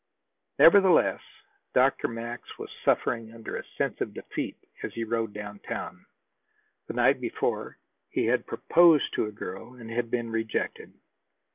Nevertheless, Dr. Max was suffering under a sense of defeat as he rode downtown. The night before, he had proposed to a girl and had been rejected.